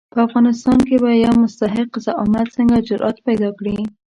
په افغانستان کې به یو مستحق زعامت څنګه جرآت پیدا کړي.